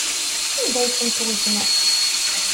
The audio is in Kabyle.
Anda ay ten-tweznem?